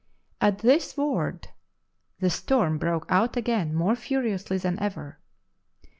At this word the storm broke out again more furiously than ever.